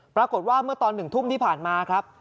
ปรากฏว่าเมื่อตอน๑ทุ่มที่ผ่านมาครับ